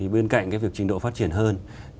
bên cạnh việc trình độ phát triển hơn